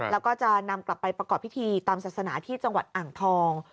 แล้วก็จะนำกลับไปประกอบพิธีตามศาสนาที่จังหวัดอ่างทอง